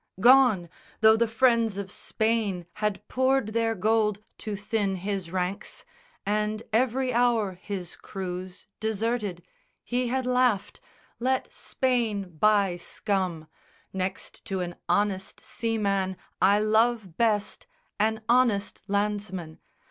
Gone! Though the friends of Spain had poured their gold To thin his ranks, and every hour his crews Deserted, he had laughed "Let Spain buy scum! Next to an honest seaman I love best An honest landsman.